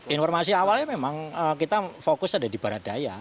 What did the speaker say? informasi awalnya memang kita fokus ada di baradaya